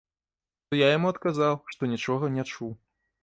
То я яму адказаў, што нічога не чуў.